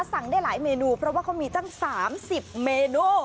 สั่งได้หลายเมนูเพราะว่าเขามีตั้ง๓๐เมนู